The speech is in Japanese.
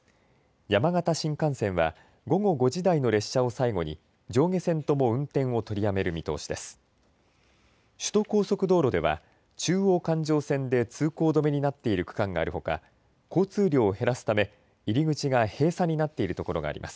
山形新幹線は午後５時台の列車を最後に上下線とも運転を取りやめる見通しです。